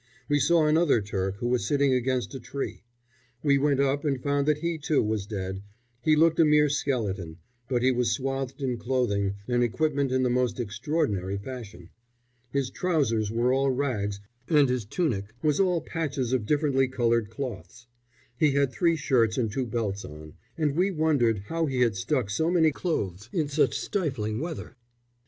We saw another Turk who was sitting against a tree. We went up and found that he, too, was dead. He looked a mere skeleton; but he was swathed in clothing and equipment in the most extraordinary fashion. His trousers were all rags, and his tunic was all patches of differently coloured cloths; he had three shirts and two belts on, and we wondered how he had stuck so many clothes in such stifling weather.